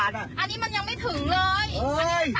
อันนี้มันยังไม่ถึงเลย